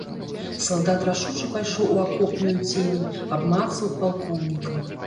Салдат рашуча пайшоў у акопную цемень, абмацаў палкоўніка.